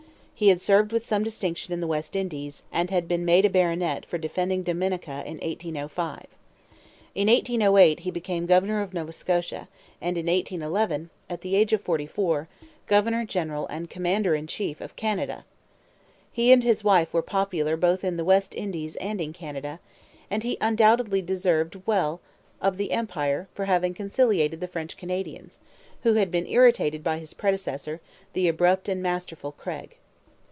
He had served with some distinction in the West Indies, and had been made a baronet for defending Dominica in 1805. In 1808 he became governor of Nova Scotia, and in 1811, at the age of forty four, governor general and commander in chief of Canada. He and his wife were popular both in the West Indies and in Canada; and he undoubtedly deserved well of the Empire for having conciliated the French Canadians, who had been irritated by his predecessor, the abrupt and masterful Craig.